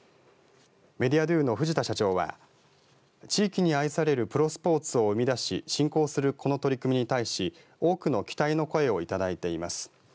メディアドゥの藤田社長は地域に愛されるプロスポーツを生み出し振興するこの取り組みに対し多くの期待の声をいただいています。